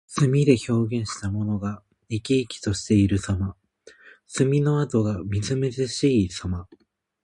墨で表現したものが生き生きしているさま。墨の跡がみずみずしいさま。